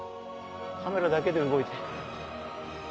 カメラだけで動いて。